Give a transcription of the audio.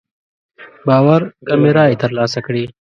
باور کمې رايې تر لاسه کړې.